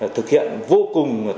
thực hiện vô cùng tốt